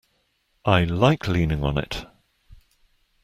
I like leaning on it.